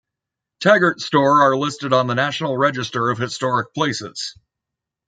Taggart Store are listed on the National Register of Historic Places.